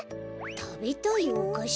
たべたいおかし？